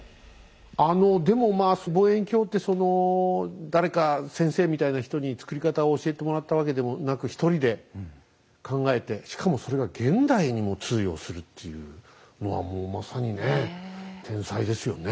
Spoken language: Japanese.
あのでもまあ望遠鏡ってその誰か先生みたいな人に作り方を教えてもらったわけでもなく一人で考えてしかもそれが現代にも通用するっていうのはもうまさにね天才ですよね。